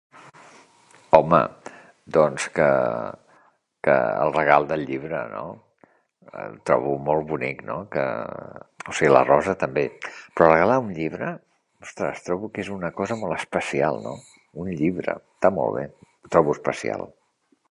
Home, doncs que el regal del llibre, no? Trobo molt bonic, no?, que, o sigui, la rosa també, però regalar un llibre, ostres, trobo que és una cosa molt especial, no?, un llibre. Està molt bé, ho trobo especial.